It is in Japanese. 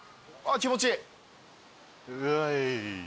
気持ちいい。